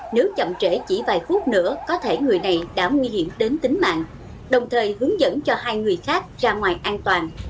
nếu chậm trễ chỉ vài phút nữa có thể người này đã nguy hiểm đến tính mạng đồng thời hướng dẫn cho hai người khác ra ngoài an toàn